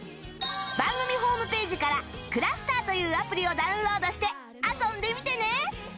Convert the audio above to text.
番組ホームページから「ｃｌｕｓｔｅｒ」というアプリをダウンロードして遊んでみてね！